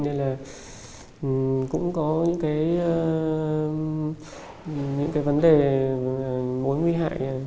nên là cũng có những vấn đề mối nguy hại hay là những vấn đề về an toàn sức khỏe cho người tiêu dùng